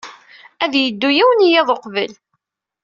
Ad yeddu yiwen n yiḍ uqbel.